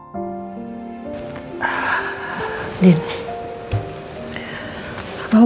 ma pergi hidup